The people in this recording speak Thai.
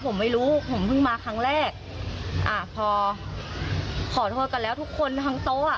ผมไม่รู้ผมเพิ่งมาครั้งแรกอ่าพอขอโทษกันแล้วทุกคนทั้งโต๊ะอ่ะ